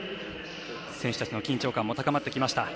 選手たちの緊張感も高まってきました。